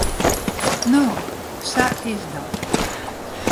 No, sa is dat.